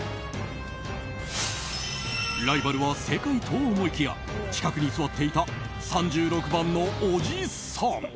ライバルは世界と思いきや近くに座っていた３６番のおじさん。